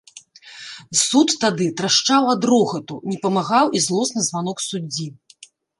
Суд тады трашчаў ад рогату, не памагаў і злосны званок суддзі.